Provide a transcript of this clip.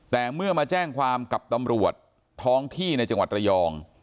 แต่เมื่อมาแจ้งความกับตำรวจท้องที่ในจังหวัดระยอง